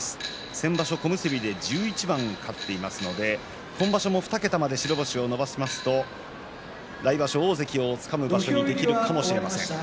先場所、小結で１１番勝っていますので今場所、２桁まで白星を伸ばしますと来場所大関をつかむことができるかもしれません。